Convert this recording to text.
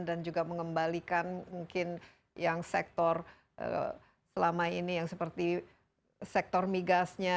dan juga mengembalikan mungkin yang sektor selama ini yang seperti sektor migasnya